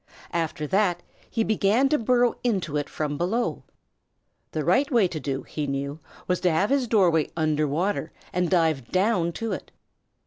After that he began to burrow up into it from below. The right way to do, he knew, was to have his doorway under water and dive down to it.